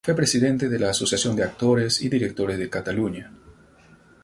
Fue presidente de la Asociación de Actores y Directores de Cataluña.